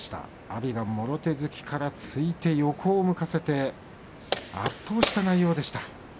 阿炎がもろ手突きから突いて横を向かせて圧倒した内容でした。